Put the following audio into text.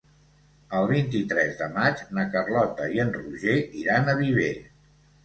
El vint-i-tres de maig na Carlota i en Roger iran a Viver.